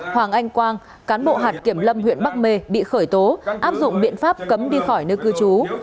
hoàng anh quang cán bộ hạt kiểm lâm huyện bắc mê bị khởi tố áp dụng biện pháp cấm đi khỏi nơi cư trú